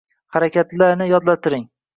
Harakatli yodlattiring.